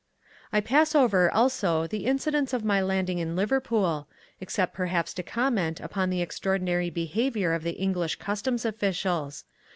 I pass over also the incidents of my landing in Liverpool, except perhaps to comment upon the extraordinary behaviour of the English customs officials.